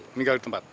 meninggal di tempat